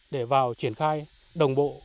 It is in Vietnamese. để vào triển khai đồng bộ